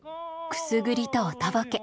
くすぐりとおとぼけ。